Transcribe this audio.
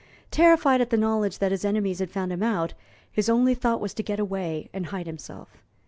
Terrified at the knowledge that his enemies had found him out, his only thought was to get away and hide himself.